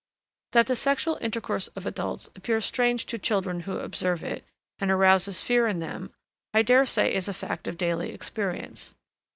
That the sexual intercourse of adults appears strange to children who observe it, and arouses fear in them, I dare say is a fact of daily experience.